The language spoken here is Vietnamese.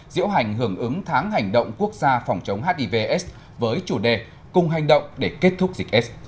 diễu hành hưởng ứng tháng hành động quốc gia phòng chống hiv aids với chủ đề cùng hành động để kết thúc dịch s